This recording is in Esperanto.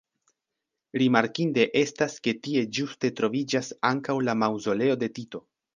Rimarkinde estas ke tie ĝuste troviĝas ankaŭ la maŭzoleo de Tito.